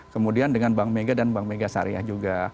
kemudian dengan bank mega dan bank mega syariah juga